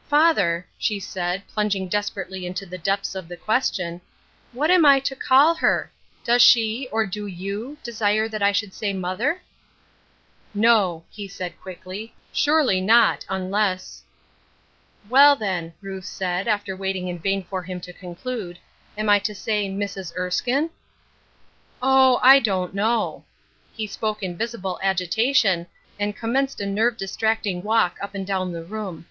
" Father," she said, plunging desperately into the depths of the question. " What am I to call her? Does she — or, do you — desire that I should say mother ?"" No," he said, quickly. " Surely not, un less"— " Well, then," Ruth said, after waiting in vain for him to conclude. " Am I to say ' Mrs. Erskine?'" " Oh, I don't know." He spoke in visible agitation, and commenced a nerve distracting walk up and down the room.